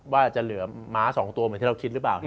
ว่าจะเหลือม้า๒ตัวเหมือนที่เราคิดหรือเปล่า